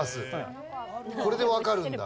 これでわかるんだ。